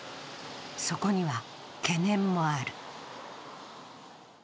そこには懸念もある。